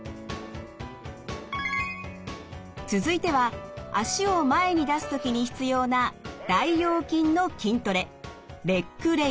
続いては脚を前に出す時に必要な大腰筋の筋トレレッグレイズ。